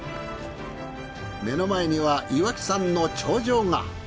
目の前には岩木山の頂上が。